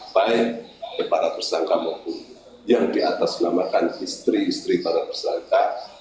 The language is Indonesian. baik para tersangka maupun yang diatasnamakan istri istri para tersangka